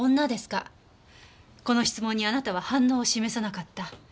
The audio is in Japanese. この質問にあなたは反応を示さなかった。